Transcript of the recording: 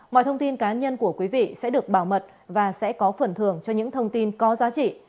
mọi thông tin cá nhân của quý vị sẽ được bảo mật và sẽ có phần thường cho những thông tin có giá trị